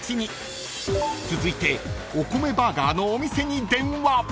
［続いてお米バーガーのお店に電話］